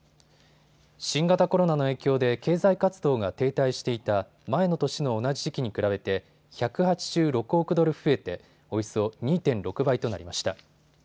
新型コロナの影響で経済活動が停滞していた前の年の同じ時期に比べて１８６億ドル増えておよそ２．６倍となりました。